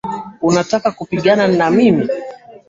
Unataka kupigana na mimi?